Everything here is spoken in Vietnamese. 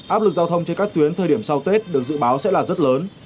áp lực giao thông trên các tuyến thời điểm sau tết được dự báo sẽ là rất lớn